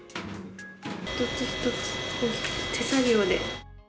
一つ一つ大きく手作業で。